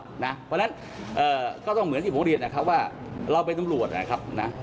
เพราะฉะนั้นก็ต้องเหมือนที่ผมเรียนนะครับว่าเราเป็นตำรวจนะครับนะ